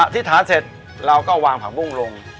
ธิษฐานเสร็จเราก็วางผักบุ้งลง